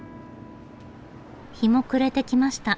日も暮れてきました。